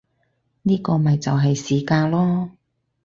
呢個咪就係市價囉